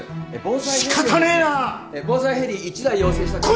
防災ヘリ１台要請したく。